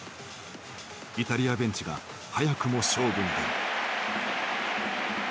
イタリアベンチが早くも勝負に出る。